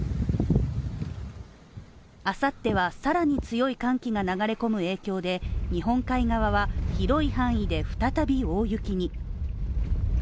明後日はさらに強い寒気が流れ込む影響で、日本海側は広い範囲で再び大雪に。